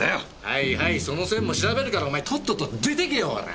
その線も調べるからお前とっとと出て行けよほら！